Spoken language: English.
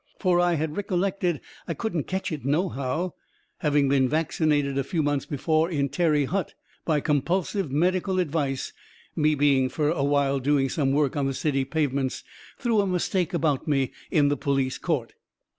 Fur I had riccolected I couldn't ketch it nohow, having been vaccinated a few months before in Terry Hutt by compulsive medical advice, me being fur a while doing some work on the city pavements through a mistake about me in the police court.